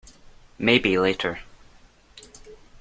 Maybe later.